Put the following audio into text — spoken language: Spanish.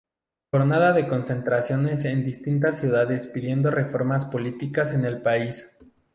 Jornada de concentraciones en distintas ciudades pidiendo reformas políticas en el país.